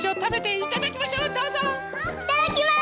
いただきます！